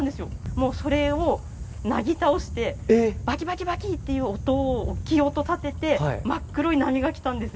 もうそれをなぎ倒して、ばきばきばきっという音を、大きい音を立てて、真っ黒い波が来たんです。